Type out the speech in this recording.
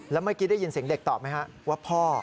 แล้วเมื่อกี้ได้ยินเสียงเด็กตอบไหมฮะว่าพ่อ